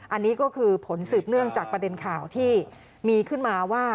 อันนี้ก็คือผลสืบเนื่องจากประเด็นข่าวที่มีขึ้นมาว่า